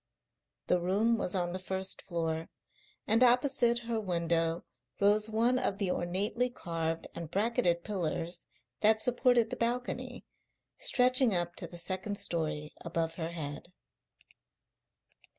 The room was on the first floor, and opposite her window rose one of the ornately carved and bracketed pillars that supported the balcony, stretching up to the second story above her head.